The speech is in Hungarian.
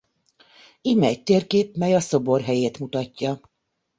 Ime egy térkép mely a szobor helyét mutatja.